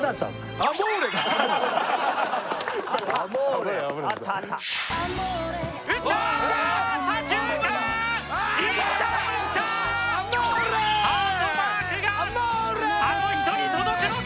ハートマークがあの人に届くのか？